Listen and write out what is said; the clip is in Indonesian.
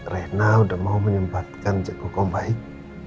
rena udah mau menyempatkan cikgu ke om baik